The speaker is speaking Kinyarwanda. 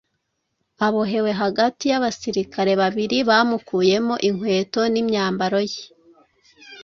abohewe hagati y’abasirikare babiri bamukuyemo inkweto n’imyambaro ye.